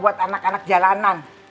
buat anak anak jalanan